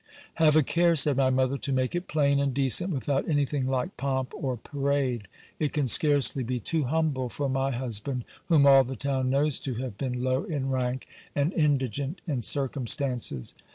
Have a care, said my mother, to make it plain and decent without anything like pomp or parade. It can scarcely be too humble for my husband, whom all the town knows to have been low in rank, ani indigent in circumstances.